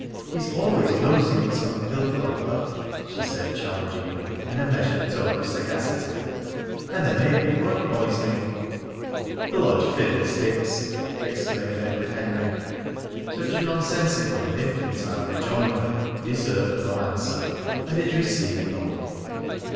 He's always nosing in some filth or other," she said challengingly, in a measured tone of sagacity. "And there may be blood poisoning." "Blood fiddlesticks!" exclaimed Edward Henry. Such a nonsensical and infantile rejoinder deserved no answer, and it received none.